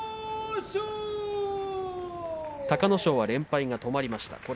隆の勝は連敗が止まりました